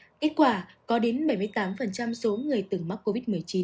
theo kết quả có đến bảy mươi tám số người từng mắc covid một mươi chín